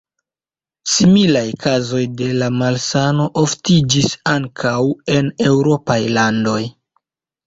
Similaj kazoj de la malsano oftiĝis ankaŭ en eŭropaj landoj.